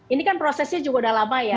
ini kan prosesnya juga udah lama ya